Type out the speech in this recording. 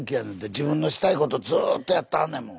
自分のしたいことずっとやってはんねんもん。